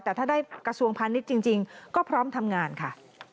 แต่ถ้าได้กระทรวงพาณิชย์จริงก็พร้อมทำงานค่ะ